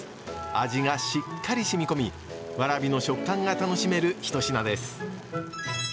味がしっかり染み込みわらびの食感が楽しめる一品です！